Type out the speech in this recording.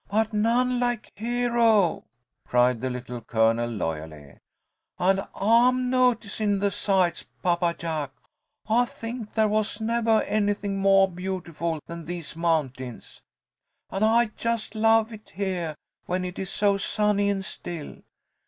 "But none like Hero," cried the Little Colonel, loyally. "And I am noticin' the sights, Papa Jack. I think there was nevah anything moah beautiful than these mountains, and I just love it heah when it is so sunny and still.